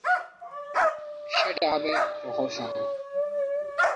সেটা হবে প্রহসন।